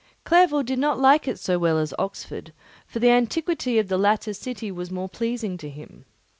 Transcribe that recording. Clerval did not like it so well as Oxford, for the antiquity of the latter city was more pleasing to him.